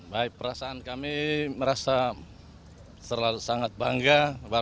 baik perasaan kami merasa sangat bangga